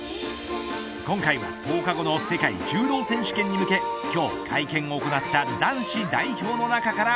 今回は１０日後の世界柔道選手権に向けて今日会見を行った男子代表の中から